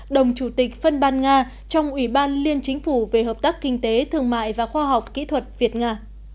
đồng chủ tịch phân ban nga trong ủy ban liên chính phủ về hợp tác kinh tế thương mại và khoa học kỹ thuật việt nga